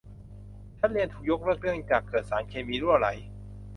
ชั้นเรียนถูกยกเลิกเนื่องจากเกิดสารเคมีรั่วไหล